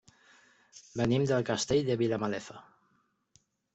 Venim del Castell de Vilamalefa.